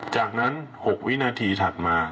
จากนั้น๖วินาทีถัดมา